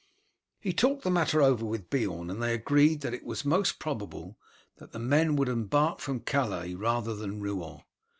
He talked the matter over with Beorn, and they agreed that it was most probable that the men would embark from Calais rather than Rouen.